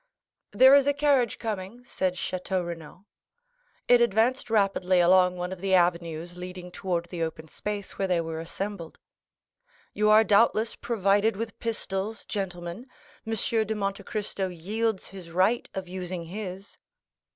"There is a carriage coming," said Château Renaud. It advanced rapidly along one of the avenues leading towards the open space where they were assembled. "You are doubtless provided with pistols, gentlemen? M. de Monte Cristo yields his right of using his."